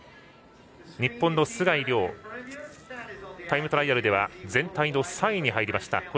日本の須貝龍タイムトライアルでは全体の３位に入りました。